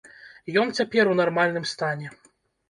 Ён цяпер у нармальным стане.